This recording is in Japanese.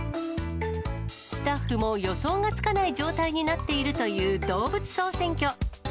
スタッフも予想がつかない状態となっているという動物総選挙。